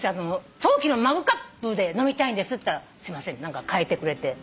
陶器のマグカップで飲みたいんですって言ったら「すいません」替えてくれて。